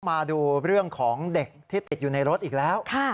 มาดูเรื่องของเด็กที่ติดอยู่ในรถอีกแล้ว